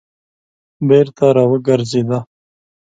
بېرته راوګرځېده.